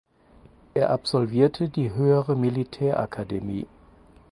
Er absolvierte die Höhere Militärakademie.